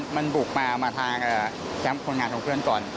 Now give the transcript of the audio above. มันบุกมามาทางแคมป์คนงานของเพื่อนก่อน